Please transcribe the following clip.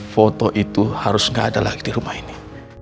foto itu harus nggak ada lagi di rumah ini